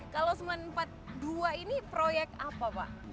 kalau seribu sembilan ratus empat puluh dua ini proyek apa pak